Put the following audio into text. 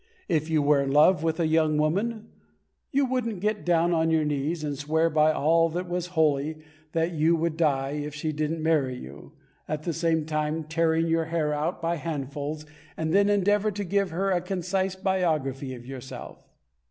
If you were in love with a young woman, you wouldn't get down on your knees, and swear by all that was holy that you would die if she didn't marry you, at the same time tearing your hair out by handfuls, and then endeavour to give her a concise biography of yourself.